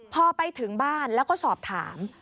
พอไปถึงบ้านแล้วก็สอบถาม